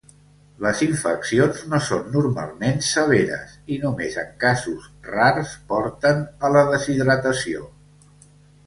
Les infeccions no són normalment severes i només en casos rars porten a la deshidratació.